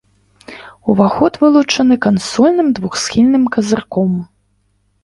Уваход вылучаны кансольным двухсхільным казырком.